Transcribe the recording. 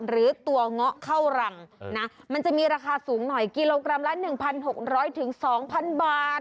หรือตัวเงาะเข้ารังนะมันจะมีราคาสูงหน่อยกิโลกรัมละ๑๖๐๐๒๐๐บาท